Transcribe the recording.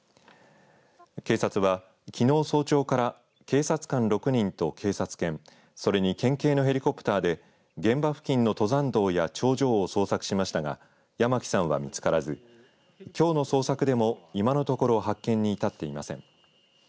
警察は、きのう早朝から警察官６人と警察犬それに県警のヘリコプターで現場付近の登山道や頂上を捜索しましたが八巻さんは見つからずきょうの捜索でも今のところ発見に至っていません。